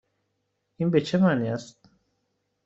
این به چه معنی است؟